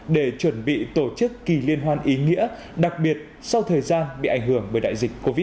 để chuẩn bị tổ chức kỳ liên hoan ý nghĩa đặc biệt sau thời gian bị ảnh hưởng bởi đại dịch covid một mươi chín